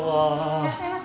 いらっしゃいませ。